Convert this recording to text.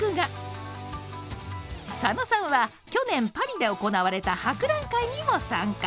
佐野さんは去年パリで行われた博覧会にも参加。